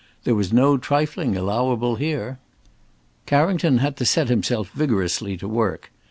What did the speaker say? There was no trifling allowable here. Carrington had to set himself vigorously to work.